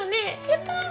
やったー！